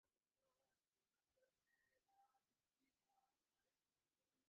সে এখন তাহার ভাই সমরাদিত্যের সঙ্গে ছেলেমানুষের মত কত কি খেলা করে।